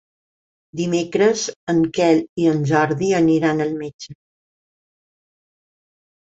Dimecres en Quel i en Jordi aniran al metge.